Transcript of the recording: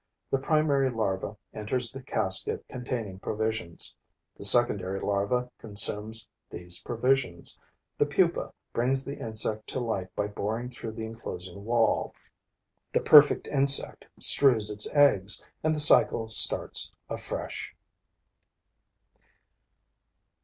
The primary larva enters the casket containing provisions; the secondary larva consumes these provisions; the pupa brings the insect to light by boring through the enclosing wall; the perfect insect strews its eggs; and the cycle starts afresh.